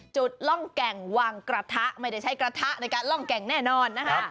จุดร่องแกงวังกระถะไม่ได้ใช้กระถะล่องแกงแน่นอนนะคะ